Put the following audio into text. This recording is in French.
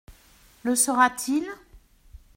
Le sera-t-il ?…